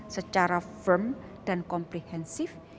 secara firm dan komprehensif